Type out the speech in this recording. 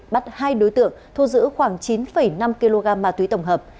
bắt hai đối tượng thu giữ khoảng chín năm kg ma túy tổng hợp